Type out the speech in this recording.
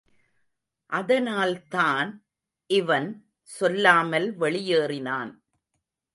அதனால்தான் இவன் சொல்லாமல் வெளியேறினான்.